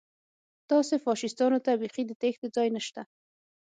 تاسې فاشیستانو ته بیخي د تېښتې ځای نشته